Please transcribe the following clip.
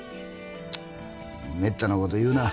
めったな事言うな。